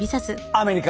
アメリカ！